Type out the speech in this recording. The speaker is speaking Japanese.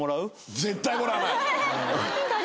絶対もらわない。